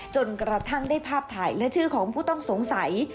จนกระทั่งได้ภาพถ่ายและชื่อของผู้ต้องสงสัย